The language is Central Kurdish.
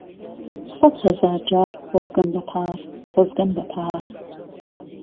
سهد ههزار جار خۆزگهم به پار، خۆزگهم به پار